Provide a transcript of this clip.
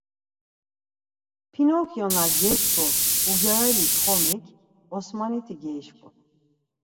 Pinokyo na geişku ugyareli çxomik Osmaniti geişku.